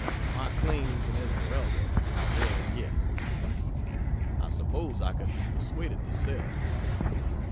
My claims in Esmeralda are there yet. I suppose I could be persuaded to sell.